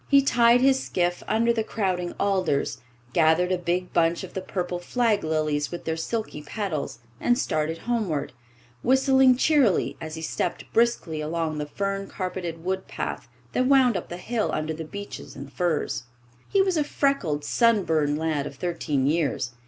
He tied his skiff under the crowding alders, gathered a big bunch of the purple flag lilies with their silky petals, and started homeward, whistling cheerily as he stepped briskly along the fern carpeted wood path that wound up the hill under the beeches and firs. He was a freckled, sunburned lad of thirteen years.